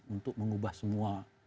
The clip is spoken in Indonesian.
untuk mengubah semua